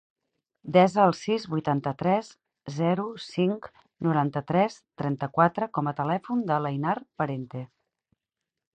Desa el sis, vuitanta-tres, zero, cinc, noranta-tres, trenta-quatre com a telèfon de l'Einar Parente.